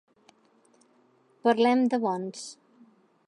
Parlem de bons.